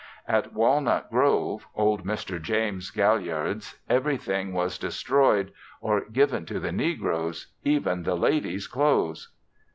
At Walnut Grove (old Mr. James Gaillard's) everything was destroyed or given to the negroes, even the ladies' clothes.